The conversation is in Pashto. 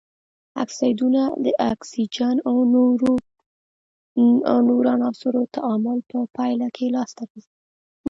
اکسایدونه د اکسیجن او نورو عناصرو تعامل په پایله کې لاس ته راځي.